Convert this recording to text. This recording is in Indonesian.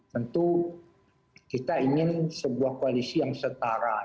tentu kita ingin sebuah koalisi yang setara